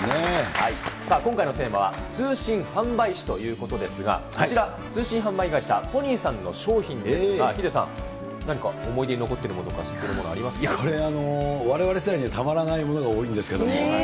今回のテーマは通信販売史ということですが、こちら、通信販売会社ポニーさんの商品ですが、ヒデさん、何か思い出に残っているものとか、いやこれ、われわれ世代にはたまらないものが多いんですけれども。